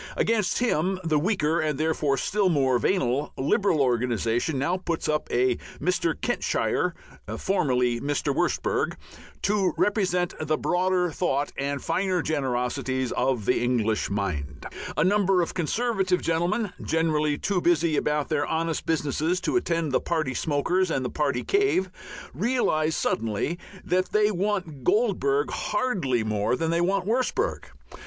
Against him the weaker (and therefore still more venal) Liberal organization now puts up a Mr. Kentshire (formerly Wurstberg) to represent the broader thought and finer generosities of the English mind. A number of Conservative gentlemen, generally too busy about their honest businesses to attend the party "smokers" and the party cave, realize suddenly that they want Goldbug hardly more than they want Wurstberg.